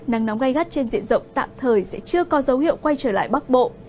nắng nóng gai gắt trên diện rộng tạm thời sẽ chưa có dấu hiệu quay trở lại bắc bộ